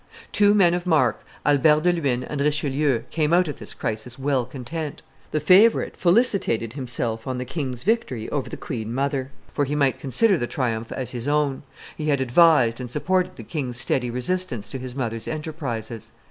Two men of mark, Albert de Luynes and Richelieu, came out of this crisis well content. The favorite felicitated himself on the king's victory over the queen mother, for he might consider the triumph as his own; he had advised and supported the king's steady resistance to his mother's enterprises.